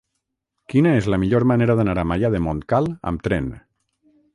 Quina és la millor manera d'anar a Maià de Montcal amb tren?